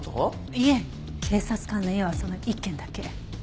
いえ警察官の家はその１軒だけ。